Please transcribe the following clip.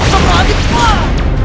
pertama lagi kotor